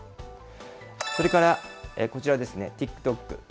それからこちらですね、ＴｉｋＴｏｋ。